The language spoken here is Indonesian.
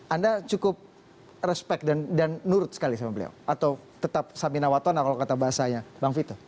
anda cukup respect dan nurut sekali sama beliau atau tetap samina watona kalau kata bahasanya bang vito